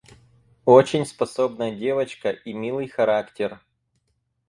Очень способная девочка и милый характер.